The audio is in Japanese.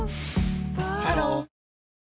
ハロー